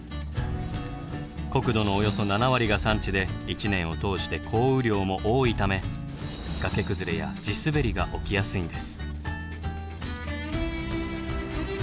国土のおよそ７割が山地で一年を通して降雨量も多いため崖崩れや地滑りが起きやすいんです。